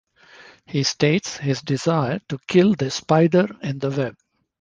He states his desire to kill this "spider in the web".